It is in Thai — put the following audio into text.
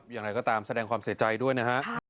อย่างไรก็ตามแสดงความเสียใจด้วยนะฮะ